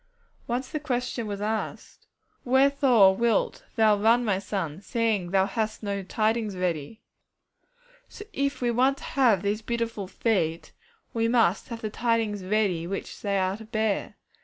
Once the question was asked, 'Wherefore wilt thou run, my son, seeing that thou hast no tidings ready?' So if we want to have these beautiful feet, we must have the tidings ready which they are to bear.